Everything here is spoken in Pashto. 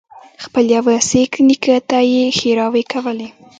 خپل يوه سېک نیکه ته یې ښېراوې کولې.